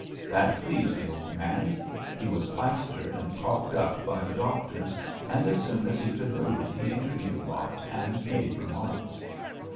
That pleased the old man. He was plastered and caulked up by the doctors, and as soon as he could move he interviewed Lot and made remarks.